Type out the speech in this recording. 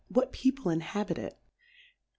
What People inhabit it ?